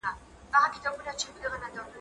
زه به سبا بوټونه پاک کړم؟